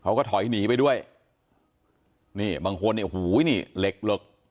เขาก็ถอยหนีไปด้วยนี่บางคนเนี่ยโอ้โหนี่เหล็กเหล็ก